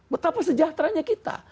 betapa sejahteranya kita